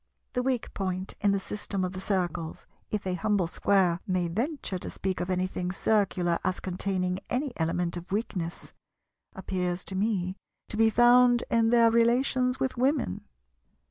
The weak point in the system of the Circles—if a humble Square may venture to speak of anything Circular as containing any element of weakness—appears to me to be found in their relations with Women.